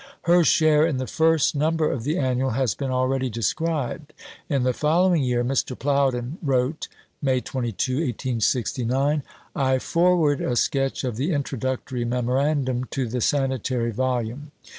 Her share in the first number of the Annual has been already described (p. 155). In the following year Mr. Plowden wrote (May 22, 1869): "I forward a sketch of the Introductory Memorandum to the Sanitary volume.